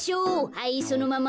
はいそのまま。